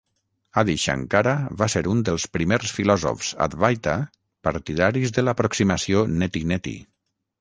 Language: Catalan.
Adi Shankara va ser un dels primers filòsofs Advaita partidaris de l'aproximació neti neti.